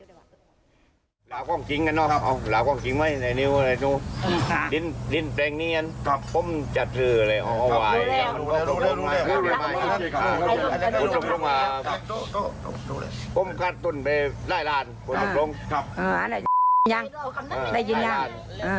อ่า้าป้มขาดต้นไปได้ร้านครับครับอ๋อได้ยินยังได้ยินยังอ๋อ